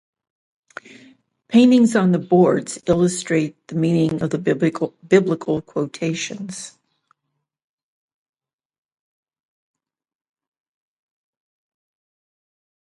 Paintings on the boards illustrate the meaning of the biblical quotations.